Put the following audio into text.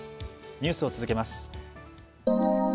ニュースを続けます。